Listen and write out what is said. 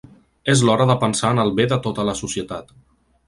És l’hora de pensar en el bé de tota la societat.